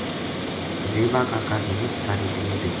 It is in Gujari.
زیبا کا کا کی مُچ ساری بھیڈ